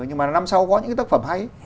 nhưng mà năm sau có những tác phẩm hay